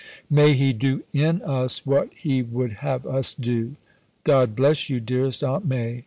May He do in us what He would have us do. God bless you, dearest Aunt Mai.